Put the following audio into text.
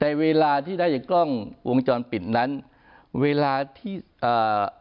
เวลาที่ได้จากกล้องวงจรปิดนั้นเวลาที่อ่า